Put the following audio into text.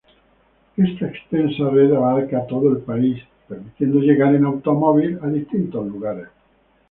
Esta extensa red abarca todo el país, permitiendo llegar en automóvil a distintos lugares.